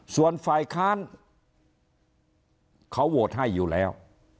ส่วนฝ่ายค้านเขาโหวตให้อยู่แล้ว